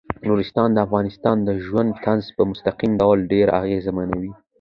نورستان د افغانانو د ژوند طرز په مستقیم ډول ډیر اغېزمنوي.